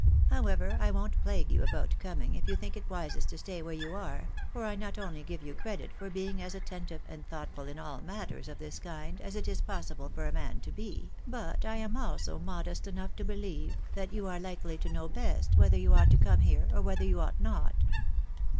However, I won't plague you about coming, if you think it wisest to stay where you are, for I not only give you credit for being as attentive and thoughtful in all matters of this kind as it is possible for a man to be, but I am also modest enough to believe, that you are likely to know best whether you ought to come here, or whether you ought not.